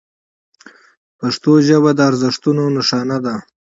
پښتو ژبه د ارزښتونو نښانه ده.